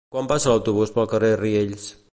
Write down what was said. Quan passa l'autobús pel carrer Riells?